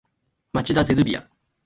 町田ゼルビア